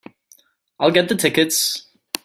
I'll get the tickets.